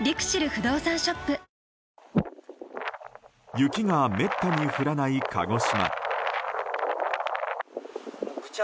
雪がめったに降らない鹿児島。